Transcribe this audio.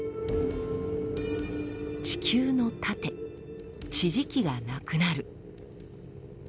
地球の盾地磁気がなくなる。